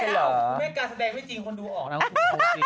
หุ่นแม่กะแสดงไม่จริงคนดูออกแล้ว